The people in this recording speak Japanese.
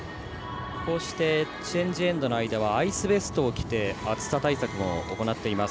こうして、チェンジエンドの間はアイスベストを着て暑さ対策を行っています。